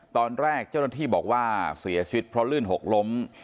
ตอนแรกเจ้าหน้าที่บอกว่าเสียชีวิตเพราะลื่นหกล้ม